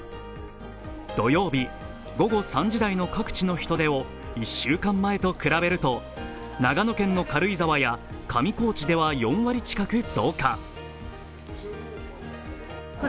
土曜日、午後３時台の各地の人出を１週間前と比べると長野県の軽井沢や上高地では４割近く増加。